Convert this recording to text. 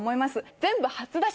全部初出し‼